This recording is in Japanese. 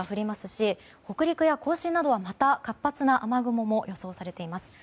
し北陸や甲信などはまた活発な雨雲も予想されています。